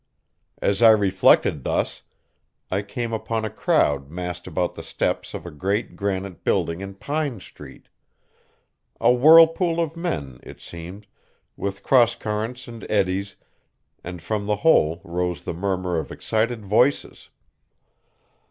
As I reflected thus, I came upon a crowd massed about the steps of a great granite building in Pine Street; a whirlpool of men, it seemed, with crosscurrents and eddies, and from the whole rose the murmur of excited voices.